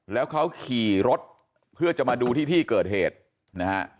แล้วเขาขี่รถเพื่อจะมาดูที่ที่เกิดเหตุนะฮะ